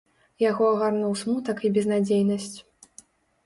Яго агарнуў смутак і безнадзейнасць.